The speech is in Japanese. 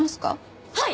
はい！